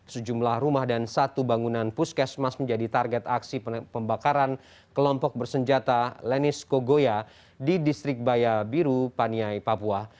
sejumlah rumah dan satu bangunan puskesmas menjadi target aksi pembakaran kelompok bersenjata lenis kogoya di distrik baya biru paniai papua